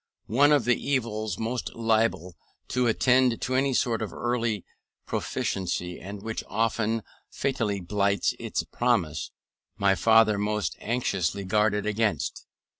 One of the evils most liable to attend on any sort of early proficiency, and which often fatally blights its promise, my father most anxiously guarded against.